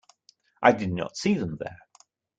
I did not see them there.